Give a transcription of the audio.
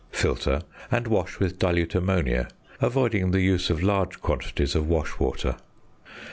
Filter, and wash with dilute ammonia, avoiding the use of large quantities of wash water.